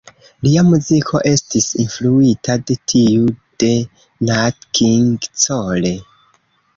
Lia muziko estis influita de tiu de Nat King Cole.